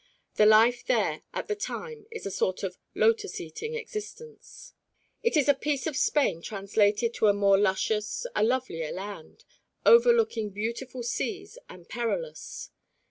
The life there at the time is a sort of lotus eating existence. It is a piece of Spain translated to a more luscious, a lovelier land, overlooking beautiful seas and perilous.